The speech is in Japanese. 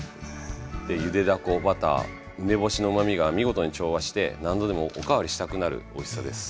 でゆでだこバター梅干しのうまみが見事に調和して何度でもお代わりしたくなるおいしさです。